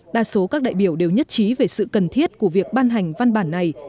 đa số các đại biểu đều nhất trí về sự cần thiết của việc ban hành văn bản này